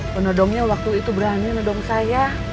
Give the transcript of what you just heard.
penodongnya waktu itu berani nodong saya